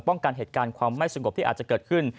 กันเหตุการณ์ความไม่สงบที่อาจจะเกิดขึ้น